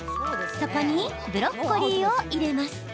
そこに、ブロッコリーを入れます。